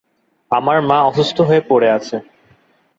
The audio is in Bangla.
আমার মা অসুস্থ হয়ে পড়ে।